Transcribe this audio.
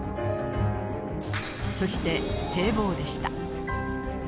そして制帽でした。